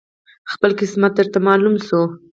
خپل قسمت درته معلوم شو